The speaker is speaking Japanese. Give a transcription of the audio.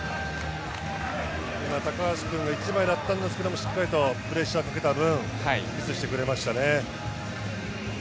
高橋君が１枚だったんですけれど、しっかりとプレッシャーかけた分、ミスしてくれましたね。